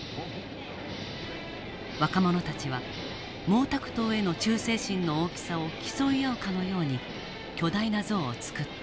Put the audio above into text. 若者たちは毛沢東への忠誠心の大きさを競い合うかのように巨大な像を造った。